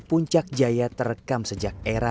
puncak jaya terekam sejak era